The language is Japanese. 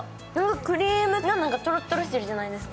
クリームがとろっとろしてるじゃないですか。